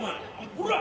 ほら！